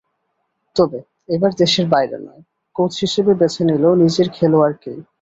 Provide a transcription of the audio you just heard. তবে এবার দেশের বাইরে নয়, কোচ হিসেবে বেছে নিল নিজেদের খেলোয়াড়কেই।